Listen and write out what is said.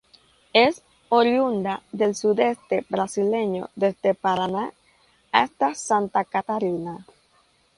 Es oriunda del sudeste brasileño desde Paraná hasta Santa Catarina.